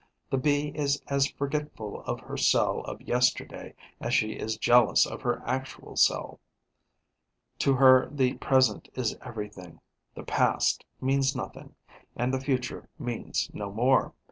The Bee is as forgetful of her cell of yesterday as she is jealous of her actual cell. To her the present is everything; the past means nothing; and the future means no more.